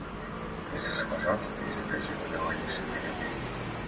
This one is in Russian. Лицо самозванца изобразило довольное самолюбие.